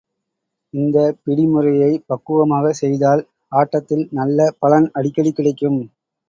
இந்தப் பிடி முறையைப் பக்குவமாகச் செய்தால், ஆட்டத்தில் நல்ல பலன் அடிக்கடி கிடைக்கும்.